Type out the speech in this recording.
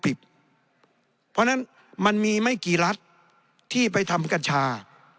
เพราะฉะนั้นมันมีไม่กี่รัฐที่ไปทำกัญชา